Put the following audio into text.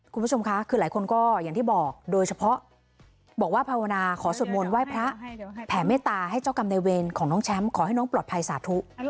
คุณผู้ชมค่ะคือหลายคนก็อย่างที่บอกโดยเฉพาะบอกว่าภาวนาขอสวดมนต์ไหว้พระแผ่เมตตาให้เจ้ากรรมในเวรของน้องแชมป์ขอให้น้องปลอดภัยสาธุ